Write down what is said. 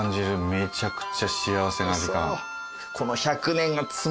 めちゃくちゃ幸せな時間。